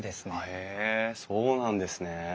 へえそうなんですね。